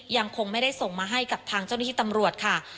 ยังคงไม่ได้ส่งมาให้กับทางเจ้าหน้าที่ตำรวจค่ะ